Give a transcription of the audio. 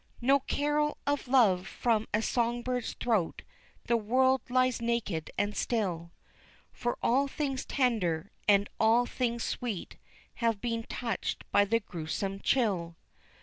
No carol of love from a song bird's throat; the world lies naked and still, For all things tender, and all things sweet, have been touched by the gruesome chill.